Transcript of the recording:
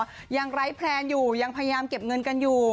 ยังไร้แพลนอยู่ยังพยายามเก็บเงินกันอยู่